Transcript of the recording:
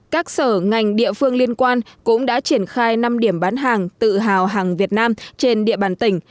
các sở ngành địa phương liên quan cũng đã triển khai năm điểm bán hàng tự hào hàng việt nam trên địa bàn tỉnh